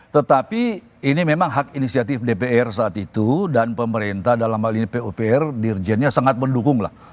tetapi ini memang hak inisiatif dpr saat itu dan pemerintah dalam hal ini pupr dirjennya sangat mendukung lah